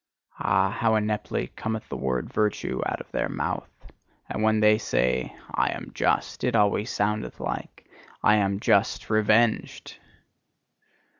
Ah! how ineptly cometh the word "virtue" out of their mouth! And when they say: "I am just," it always soundeth like: "I am just revenged!"